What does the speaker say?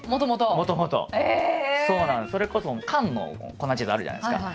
もともと？ええ！それこそ缶の粉チーズあるじゃないですか。